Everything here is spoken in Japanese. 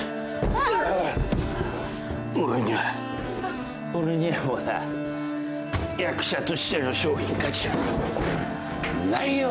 俺には俺にはもうな役者としての商品価値はないよ。